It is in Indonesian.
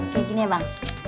kayak gini ya bang